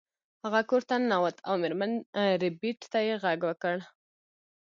هغه کور ته ننوت او میرمن ربیټ ته یې غږ کړ